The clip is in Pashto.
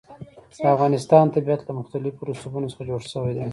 د افغانستان طبیعت له مختلفو رسوبونو څخه جوړ شوی دی.